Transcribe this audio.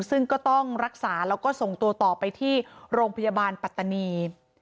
ซึ่งก็ต้องรักษาแล้วก็ส่งตัวต่อไปที่โรงพยาบาลปัตตานี